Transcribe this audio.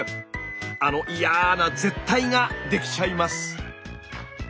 あのいやな舌苔ができちゃいます。